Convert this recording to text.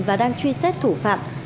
và đang truy xét thủ phạm